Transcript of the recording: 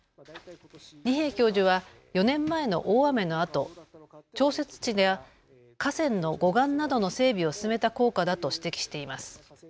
二瓶教授は４年前の大雨のあと、調節池や河川の護岸などの整備を進めた効果だと指摘しています。